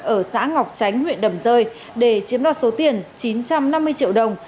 ở xã ngọc tránh huyện đầm rơi để chiếm đoạt số tiền chín trăm năm mươi triệu đồng